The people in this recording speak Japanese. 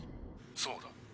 そうだ。